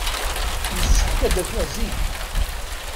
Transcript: Yessefk ad d-akiɣ zik.